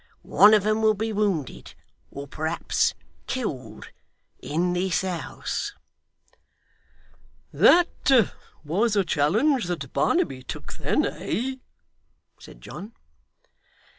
One of 'em will be wounded or perhaps killed in this house.' 'That was a challenge that Barnaby took then, eh?' said John.